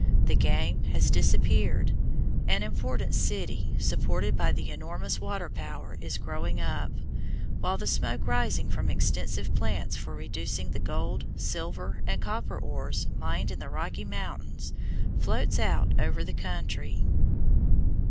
The game has disappeared; an important city, supported by the enormous water power, is growing up; while the smoke rising from extensive plants for reducing the gold, silver, and copper ores mined in the Rocky Mountains floats out over the country.